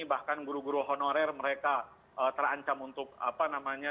bahkan guru guru honorer mereka terancam untuk apa namanya